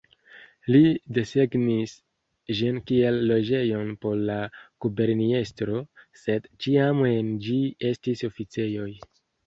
Li desegnis ĝin kiel loĝejon por la guberniestro, sed ĉiam en ĝi estis oficejoj.